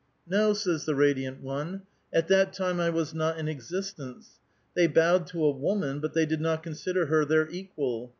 "" No," says the radiant one ;" at that time I was not in existence. They bowed to a woman, but they did not con sider her their equal.